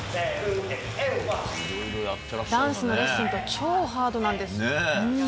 ダンスのレッスンと超ハードなんです。